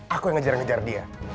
aku yang ngejar ngejar dia